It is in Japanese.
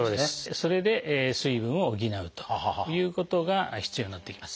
それで水分を補うということが必要になってきます。